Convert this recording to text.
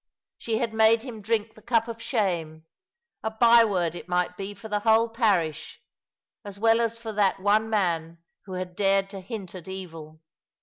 She had made him drink the cup of shame — a by word it might be for the whole parish, as well as for that one man w'ho had dared to hint at evil.